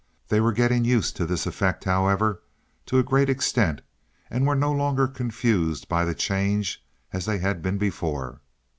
They were getting used to this effect, however, to a great extent, and were no longer confused by the change as they had been before.